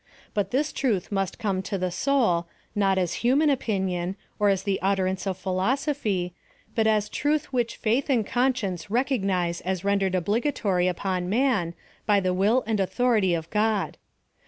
But this truth must come to the soul, not as human opinion, or as the utterances of philosophy, but as Truth which Faith and Conscience recognize as rendered obligatory upon man, by the will and aut'^ority of God.